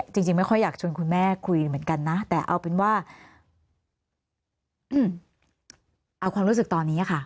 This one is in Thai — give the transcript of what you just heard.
จริงไม่ค่อยอยากชวนคุณแม่คุยเหมือนกันนะแต่เอาเป็นว่าเอาความรู้สึกตอนนี้ค่ะ